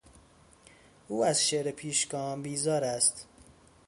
او از شعر پیشگام بیزار است.